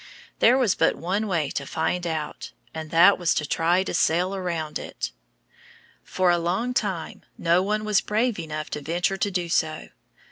There was but one way to find out, and that was to try to sail around it. For a long time no one was brave enough to venture to do so.